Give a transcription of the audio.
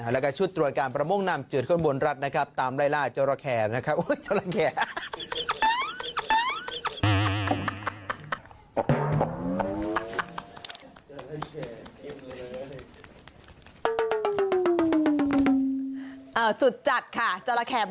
แล้วก็ชุดตรวจการประมงนำจืดข้นบนรัฐนะครับตามไล่ล่าจราแคร์นะครับ